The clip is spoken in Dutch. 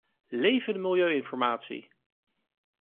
Leve de milieu-informatie!